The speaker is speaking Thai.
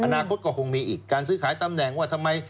อนาคตก็คงมีอีกการซื้อขายตำแหน่งว่าทำไม